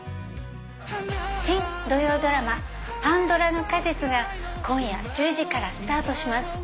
新土曜ドラマ『パンドラの果実』が今夜１０時からスタートします。